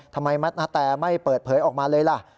ทำไมนาแตไม่เปิดเผยออกมาเลยล่ะ